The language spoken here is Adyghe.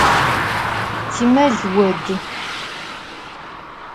Timel vod.